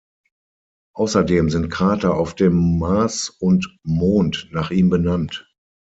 Außerdem sind Krater auf dem Mars und Mond nach ihm benannt.